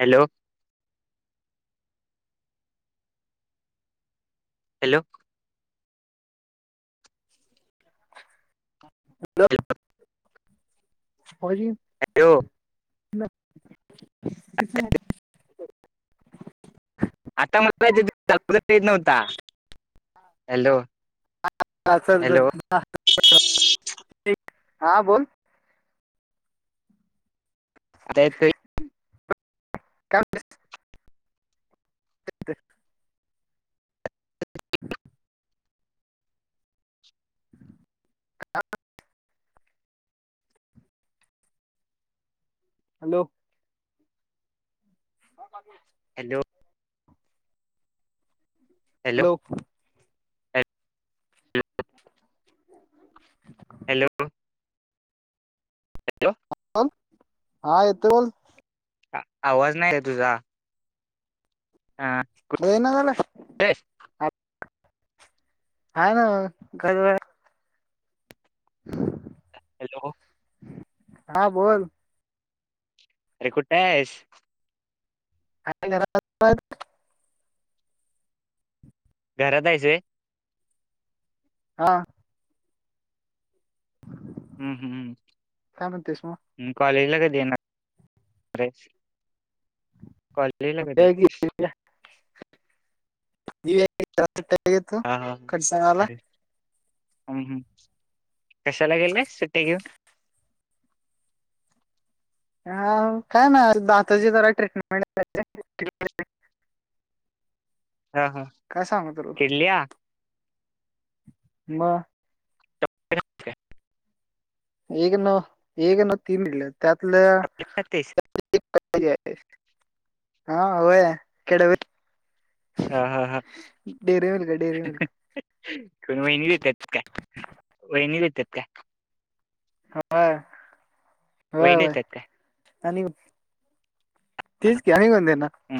Hello hello [inaudible] hello होजी hello [inaudible] [unintelligible] hello चल चल हॅलो हा बोल अरे त का [inaudible] [inaudible] हॅलो हॅलो हॅलो लोक हॅलो हॅलो हॅलो हा येतो बोल. आवाज नाही रे तुझा. हा अेना झाले. कुठे आहेस हा ना ग. [inaudible] हॅलो. हा बोल. अरे कुठे आहेस. काय करा. घरातयचंय. हा. हम्म काय म्हणतेस मग हम्मम् कॉलेज. लग दे ना. कॉललेला कुठे आहे की कस. कटगेत कडचला. हम् हम् कशाला गेल ना सुट्टी घेऊन. [inaudible] हा काय ना दातचीी जरा ट्रीटमेंट. ह हा काय सांगू तुला किडलिया. [inaudible] [inaudible] हग नाव हेग नव तीनले. त् तेस. हा होय केड भ. ह हा हा. डेअरी मिल्क कोण वहिनी देतात का वहिनी देतात. क. हा. होईनेतात. आणि तेच कीम्ही कोन दे ना. हम्म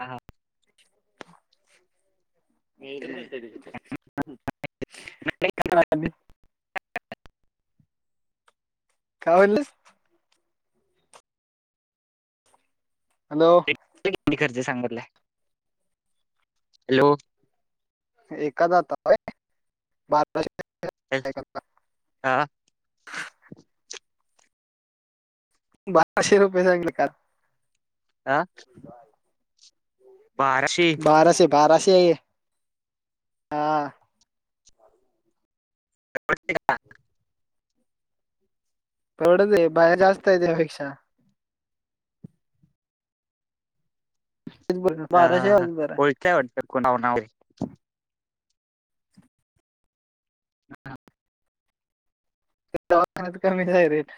हा. [inaudible] कावलले हॅलो. किती खर्च सांग हॅलो एकादाताय बार आा बाराशे रुपये चांगले का आह. बाराशे बाराशे ते हा. वते का. तेवड दे बाया जास्त आहे त्यापेक्षा तेच बरं ह हा बाराशे ह आहे बरं कोळचय वाट नव न. ह. दवाखत कमीच आहे रेट.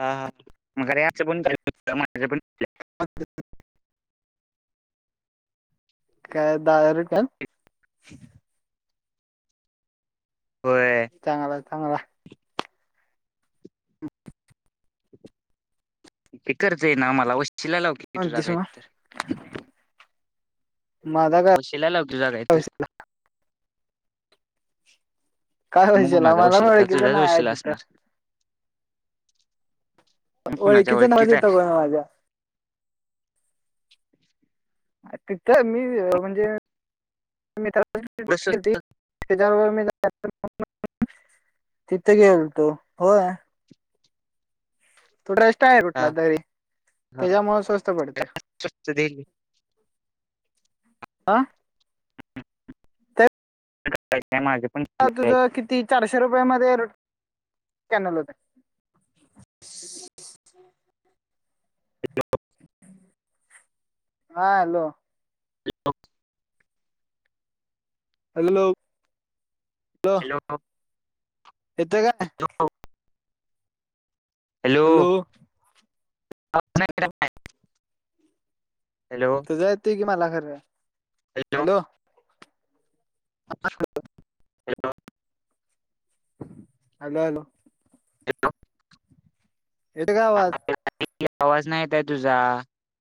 हा म रें पण पण. ह. काय दहा रुपये होय. ठांला ते करत आहे ना आम्हाला अवश शिलायलाव क किटू म्हणतीस जागाय मग तर माझा काय हो शिलायलाती जागा आहे तर विषय मग कायशेला आ कुणाचा मला वशिला बळकीच तुझ्याच नाही आहे वशिला तिथं असणार मग वळी कुणाच्या किच ओळखीचा वाजीेत को आहे वाज तिथ मी म्हणजे म. थोडं स्वस्त हजार रप म. तिथे गेल तो होय. तोडेस्टा आहेर हा कुठला तरी हा त्याच्यामुळे स्वस्त पडते. स्वस्त देईल ह. ह. तुझं किती चारशे रुपये म कॅनल होते. ह. हा हॅलो. एक. हगलो. हॅलो. येतो काय हॅलो. हॅलो तुझ येत की मला खरं हॅलो. ह. हॅलो. Hello hello. ह. येतोय का आवाज. कती आवाज नाहीत आहे तुझा